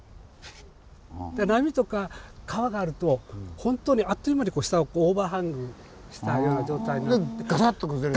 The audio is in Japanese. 波とか川があるとあっという間に下をオーバーハングしたような状態に。